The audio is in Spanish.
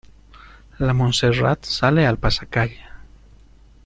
La Montserrat sale al pasacalle.